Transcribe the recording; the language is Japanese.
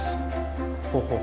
ほうほう